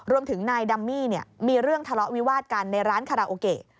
รวมถึงนายดัมมี่มีเรื่องทะเลาะวิวาดกันในร้านคาราโอเกะ